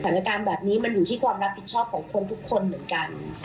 สถานการณ์แบบนี้มันอยู่ที่ความรับผิดชอบของคนทุกคนเหมือนกัน